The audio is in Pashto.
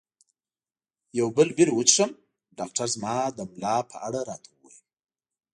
یو بل بیر وڅښم؟ ډاکټر زما د ملا په اړه راته وویل.